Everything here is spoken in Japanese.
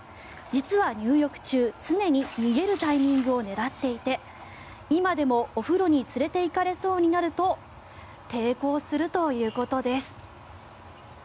実は入浴中、常に逃げるタイミングを狙っていて今でも、お風呂に連れていかれそうになると抵抗するということです。